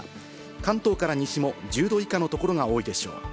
関東から西も１０度以下のところが多いでしょう。